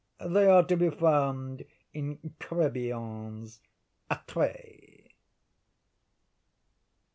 They are to be found in Crébillon's 'Atrée.